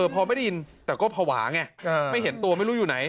พอไม่ได้ยินแต่ก็ภาวะไงไม่เห็นตัวไม่รู้อยู่ไหน